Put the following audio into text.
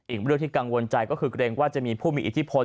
อีกเรื่องที่กังวลใจก็คือเกรงว่าจะมีผู้มีอิทธิพล